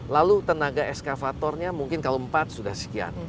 lalu tenaga eskavatornya mungkin kalau empat sudah sekian